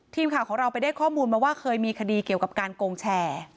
ทีมข่าวของเราไปได้ข้อมูลมาว่าเคยมีคดีเกี่ยวกับการโกงแชร์